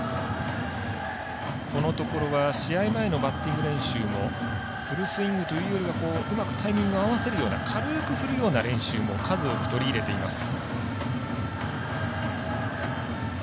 このところは試合前のバッティング練習もフルスイングというよりはうまくタイミングを合わせるような軽く振るような練習も、数多く取り入れています。